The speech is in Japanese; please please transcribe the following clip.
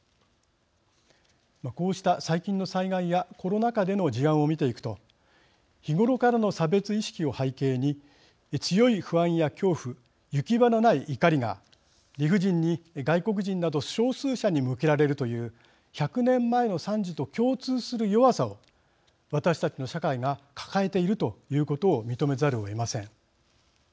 こうした最近の災害やコロナ禍での事案を見ていくと日頃からの差別意識を背景に強い不安や恐怖行き場のない怒りが理不尽に外国人など少数者に向けられるという１００年前の惨事と共通する弱さを私たちの社会が抱えているということを認めざるをえません。